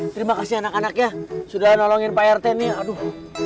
terima kasih anak anaknya sudah nolongin pak rt nih